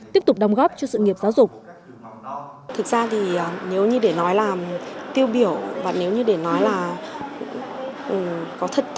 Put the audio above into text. tiếp tục đồng góp cho sự nghiệp giáo dục